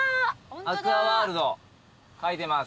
アクアワールド書いてます。